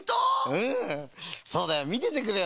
うんそうだよ。みててくれよな。